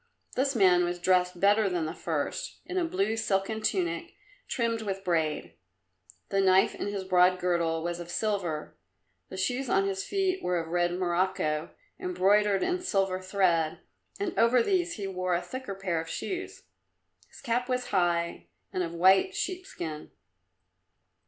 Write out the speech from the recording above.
This man was dressed better than the first, in a blue silken tunic, trimmed with braid. The knife in his broad girdle was of silver, the shoes on his feet were of red morocco, embroidered in silver thread, and over these he wore a thicker pair of shoes. His cap was high and of white sheepskin.